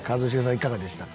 いかがでしたか？